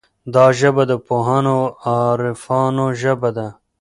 دا ژبه د پوهانو او عارفانو ژبه ده.